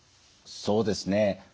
そうですね。